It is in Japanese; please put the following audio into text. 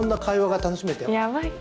やばい。